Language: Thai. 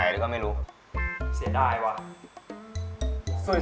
ชื่อฟอยแต่ไม่ใช่แฟง